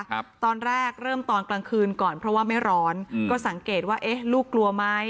ครับตอนแรกเริ่มตอนกลางคืนก่อนเพราะว่าไม่ร้อนอืมก็สังเกตว่าเอ๊ะลูกกลัวไหม